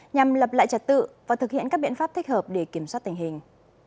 nhằm lập lại trật tự và thực hiện các biện pháp thích hợp để kiểm soát tình hình